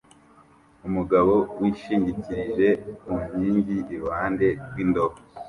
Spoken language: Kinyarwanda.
Umugabo wishingikirije ku nkingi iruhande rw'indobo